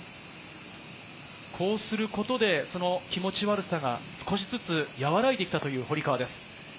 こうすることで気持ち悪さが少しずつ和らいできたという堀川です。